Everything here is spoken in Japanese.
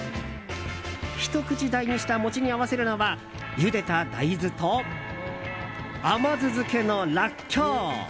ひと口大にした餅に合わせるのはゆでた大豆と甘酢漬けのラッキョウ。